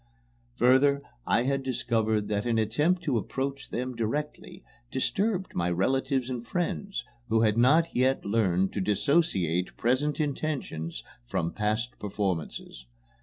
Further, I had discovered that an attempt to approach them directly disturbed my relatives and friends, who had not yet learned to dissociate! present intentions from past performances.